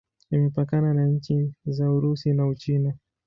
Imepakana na nchi za Urusi na Uchina.